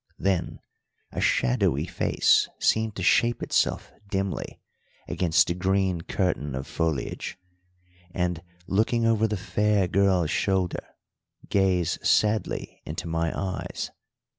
Then a shadowy face seemed to shape itself dimly against the green curtain of foliage, and, looking over the fair girl's shoulder, gaze sadly into my eyes.